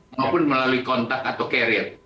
maupun melalui kontak atau carrier